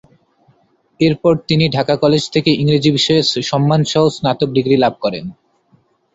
এরপর তিনি ঢাকা কলেজ থেকে ইংরেজি বিষয়ে সম্মানসহ স্নাতক ডিগ্রি লাভ করেন।